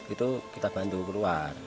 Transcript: itu kita bantu keluar